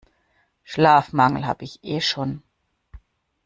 Schlafmangel habe ich eh schon.